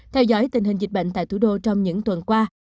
theo dõi tình hình dịch bệnh tại thủ đô trong những tuần qua